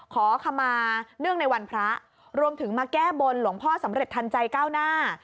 ขอขมาเนื่องในวันพระรวมถึงมาแก้บนหลวงพ่อสำเร็จทันใจก้าวหน้า